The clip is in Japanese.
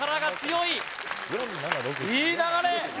いい流れ！